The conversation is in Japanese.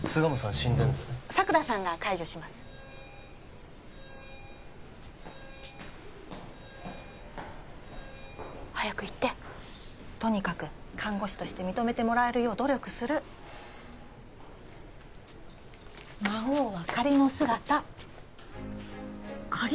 心電図佐倉さんが介助します早く行ってとにかく看護師として認めてもらえるよう努力する魔王は仮の姿仮？